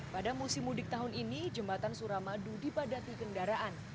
pada musim mudik tahun ini jembatan suramadu dipadati kendaraan